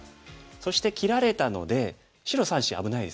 そして切られたので白３子危ないですよね。